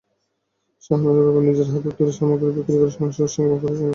শাহানারা বেগম নিজের হাতে তৈরি সামগ্রী বিক্রি করে সংসারের সিংহভাগ খরচের জোগান দিচ্ছেন।